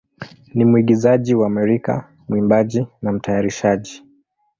ni mwigizaji wa Amerika, mwimbaji, na mtayarishaji.